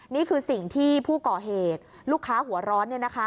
นี่คือสิ่งที่ผู้ก่อเหตุลูกค้าหัวร้อน